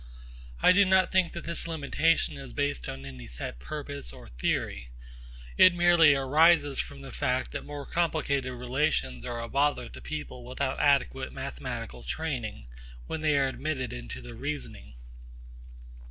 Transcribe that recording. I do not think that this limitation is based on any set purpose or theory. It merely arises from the fact that more complicated relations are a bother to people without adequate mathematical training, when they are admitted into the reasoning.